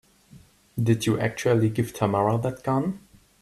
Did you actually give Tamara that gun?